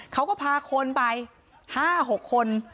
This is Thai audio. เขาก็พาคนไป๕๖คน